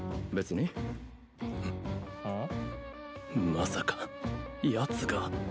まさかやつが？